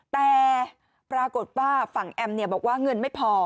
แต่ปรากฏว่าฝั่งแอมบอกว่าเงินไม่พอ